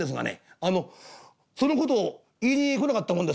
あのその事を言いに来なかったもんですから」。